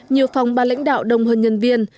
nhiều phòng ba lãnh đạo đồng hơn nhân viên